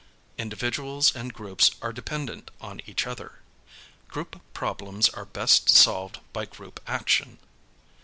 Individuals and groups are dependent on each other. Group problems are best solved by group action.